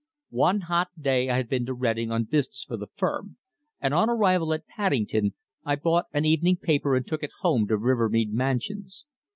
One hot day I had been to Reading on business for the firm, and on arrival at Paddington I bought an evening paper and took it home to Rivermead Mansions.